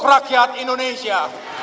untuk rakyat indonesia